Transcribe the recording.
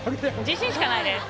自信しかないです。